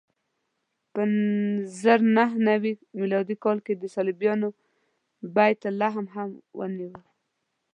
په زر نهه نوې میلادي کال صلیبیانو بیت لحم هم ونیو.